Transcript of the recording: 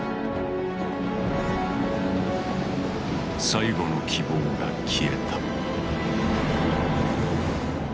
最後の希望が消えた。